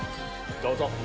どうぞ。